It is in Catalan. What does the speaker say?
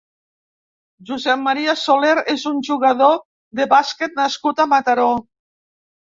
Josep Maria Soler és un jugador de bàsquet nascut a Mataró.